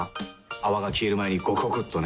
泡が消える前にゴクゴクっとね。